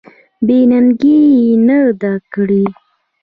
بې ننګي یې نه ده کړې.